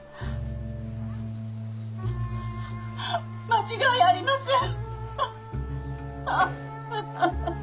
間違いありません。